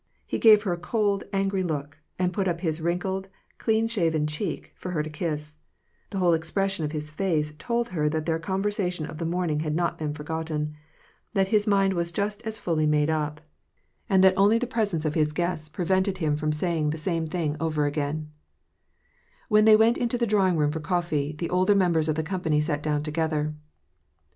He gave her a cold, angry look, and put up his wrinkled, clean shaven cheek for her to kiss. The whole expression of his face told her that their conversation of the morning had not been forgotten, that his mind was just as fully made up, and * Mon cher, avec nog 500,000 Iiommes de trouper, ii serait facUe tTiwoir un beau stifle. WAR AND PEACE. 821 that only the presence of his guests prevented him from say ing the same thing over again. When they went into the drawing room for coffee, the older members of the company sat down together.